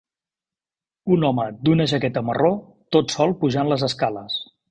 Un home d'una jaqueta marró tot sol pujant les escales.